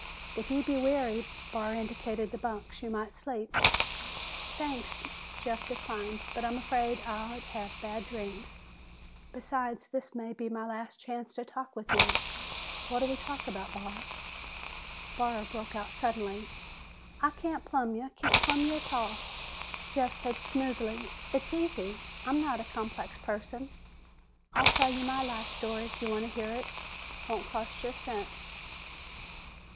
"If you be weary," Barr indicated the bunks, "you might sleep." "Thanks," Jeff declined, "but I'm afraid I'd have bad dreams. Besides, this may be my last chance to talk with you. What'll we talk about, Barr?" Barr broke out suddenly, "I can't plumb ya. Can't plumb ya a'tall!" Jeff said smoothly, "It's easy. I'm not a complex person. I'll tell you my life story if you want to hear it. Won't cost you a cent."